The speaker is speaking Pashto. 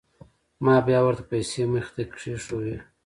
ما بيا ورته پيسې مخې ته کښېښووې.